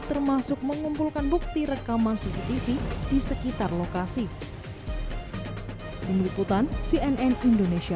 termasuk mengumpulkan bukti rekaman cctv di sekitar lokasi